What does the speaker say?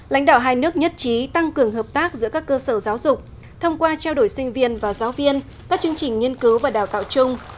lãnh đạo hai nước nhất trí tăng cường hợp tác giữa các cơ sở giáo dục thông qua trao đổi sinh viên và giáo viên các chương trình nghiên cứu và đào tạo chung